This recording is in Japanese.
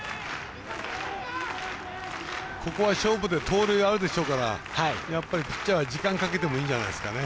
ここは勝負で盗塁あるでしょうからピッチャーは時間かけてもいいんじゃないですかね。